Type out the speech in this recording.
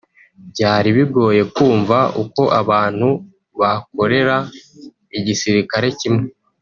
Byari bigoye kumva uko abantu bakorera igisirikare kimwe